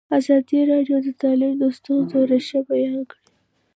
ازادي راډیو د تعلیم د ستونزو رېښه بیان کړې.